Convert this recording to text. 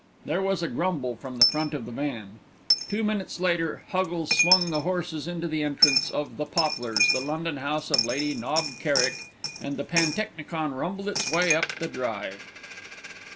There was a grumble from the front of the van. Two minutes later Huggles swung the horses into the entrance of The Poplars, the London house of Lady Knob Kerrick, and the pantechnicon rumbled its way up the drive.